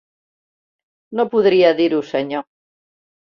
No podria dir-ho, senyor.